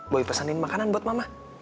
boy pesenin makanan buat mama